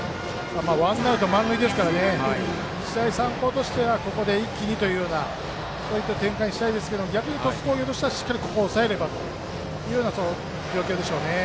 ワンアウト、満塁ですから日大三高としてはここで一気にというそういった展開にしたいですけど逆に鳥栖工業からすればしっかり抑えればという状況としては。